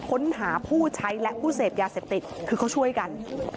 ค้นหาผู้ใช้และผู้เสพยาเสพติดคือเขาช่วยกัน